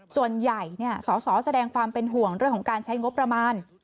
ส่วนใหญ่สอสอแสดงความเป็นห่วงเรื่องของการใช้งบประมาณ